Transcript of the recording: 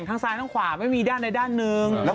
มันช่างไปได้ตลอด